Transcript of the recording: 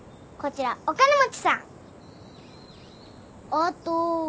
あと。